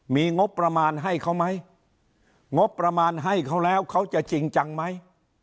มีงบประมาณให้เขาไหมงบประมาณให้เขาแล้วเขาจะจริงจังไหม